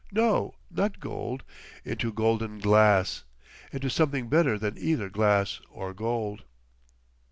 No, not gold—into golden glass.... Into something better that either glass or gold."...